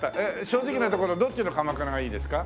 正直なところどっちの鎌倉がいいですか？